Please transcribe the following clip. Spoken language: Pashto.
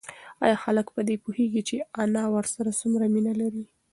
ایا هلک په دې پوهېږي چې انا ورسره څومره مینه لري؟